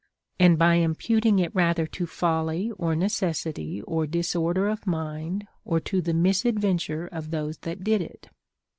51 and by imputing it rather to folly or necessity or disorder of mind, or to the misadventure of those that did it.